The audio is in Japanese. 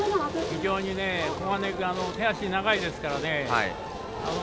非常に小金井君手足長いですからね。